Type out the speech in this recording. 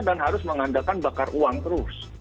dan harus mengandalkan bakar uang terus